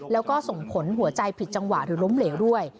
แล้วก็ส่งผลหัวใจผิดจังหวะหรือล้มเหลวด้วย